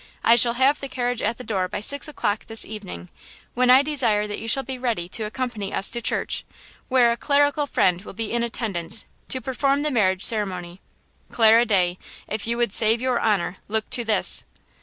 I shall have the carriage at the door by six o'clock this evening, when I desire that you shall be ready to accompany us to church, where a clerical friend will be in attendance to perform the marriage ceremony. Clara Day, if you would save your honor, look to this!"